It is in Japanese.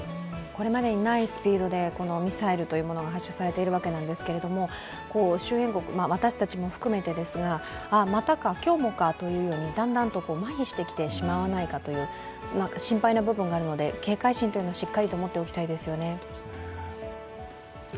これまでにないスピードでミサイルというものが発射されているわけなんですが周辺国、私たちも含めてですが、またか、今日もかとだんだんと麻痺してきてしまわないかというところは心配な部分があるので警戒心はしっかりと持っておきたいですよね。